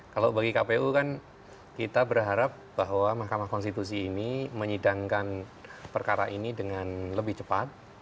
kalau bagi kpu kan kita berharap bahwa mahkamah konstitusi ini menyidangkan perkara ini dengan lebih cepat